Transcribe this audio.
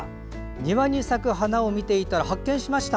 庭に咲く花を見ていたら発見しました。